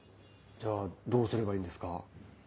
じゃあどうすればいいんですか？